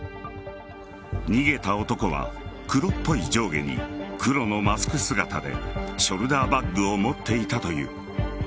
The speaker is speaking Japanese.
逃げた男は、黒っぽい上下に黒のマスク姿でショルダーバッグを持っていたという。